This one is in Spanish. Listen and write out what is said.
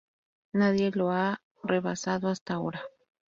Nadie lo ha rebasado hasta ahora.